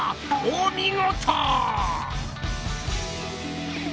お見事！